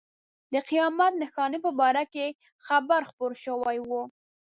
د قیامت نښانې په باره کې خبر خپور شوی و.